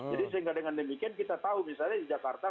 jadi sehingga dengan demikian kita tahu misalnya di jakarta